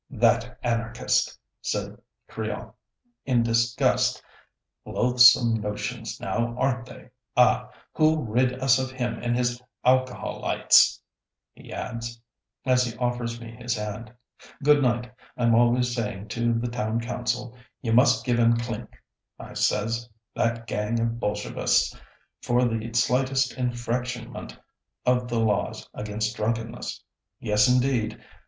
"That anarchist!" said Crillon, in disgust; "loathsome notions, now, aren't they? Ah! who'll rid us of him and his alcoholytes?" he adds, as he offers me his hand. "Good night. I'm always saying to the Town Council, 'You must give 'em clink,' I says, 'that gang of Bolshevists, for the slightest infractionment of the laws against drunkenness.' Yes, indeed!